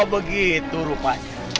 oh begitu rupanya